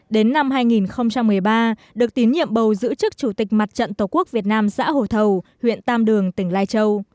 đến năm hai nghìn một mươi ba được tín nhiệm bầu giữ chức chủ tịch mặt trận tổ quốc việt nam xã hồ thầu huyện tam đường tỉnh lai châu